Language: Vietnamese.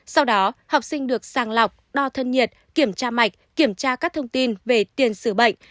sau đó học sinh được sàng lọc đo thân nhiệt kiểm tra mạch kiểm tra các thông tin về tiền xử bệnh